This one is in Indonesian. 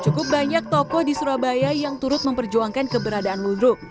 cukup banyak tokoh di surabaya yang turut memperjuangkan keberadaan ludruk